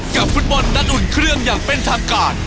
กับฟุตบอลนัดอุ่นเครื่องอย่างเป็นทางการ